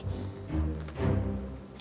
ini buat pak man saja